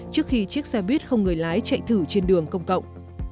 trước khi chiếc xe buýt không người lái chạy thử trên đường công cộng